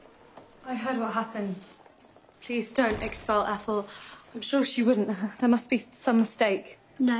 はい。